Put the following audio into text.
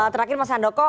terakhir mas handoko